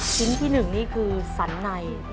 ชิ้นที่หนึ่งนี่คือสรรใน